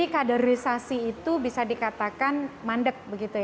kaderisasi itu bisa dikatakan mandek